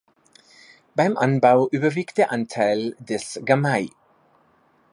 Beim Anbau überwiegt der Anteil des Gamay.